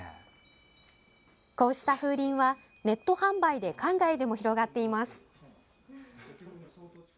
こうした風鈴はネット販売で海外にも広がっています。